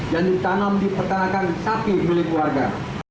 yang ditanam di pertanakan sapi milik keluarga